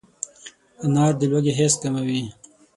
انار د لوږې حس کموي.